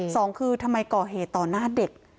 สองคือทำไมก่อเหตุต่อหน้าเด็ก